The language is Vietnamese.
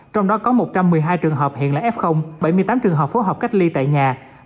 trong đó có một trăm một mươi hai trường hợp hiện là f bảy mươi tám trường hợp phối hợp cách ly tại nhà